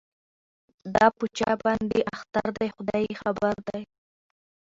دا په چا باندي اختر دی خداي خبر دی